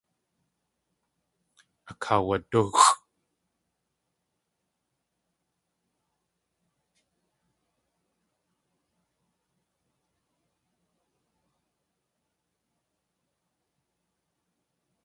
Akaawadúxʼ.